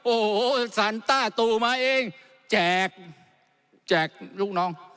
โอ้โหสันต้าตู่มาเองแจกแจกลูกน้อง